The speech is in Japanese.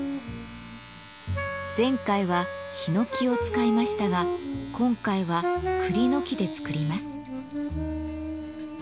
前回はヒノキを使いましたが今回はクリの木で作ります。